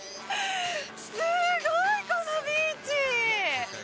すごい、このビーチ。